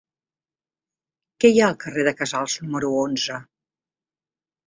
Què hi ha al carrer de Casals número onze?